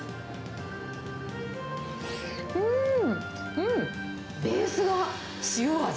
うん、ベースが塩味。